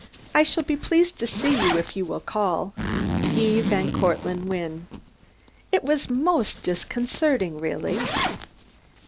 I shall be pleased to see you if you will call. E. VAN CORTLANDT WYNNE. It was most disconcerting, really.